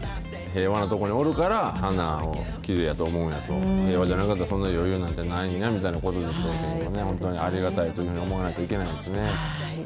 平和な所におるから、花をきれいやと思うんやと、平和じゃなかったらそんな余裕なんてないなみたいなことでしょうね、本当にありがたいというふうに思わないといけないですね。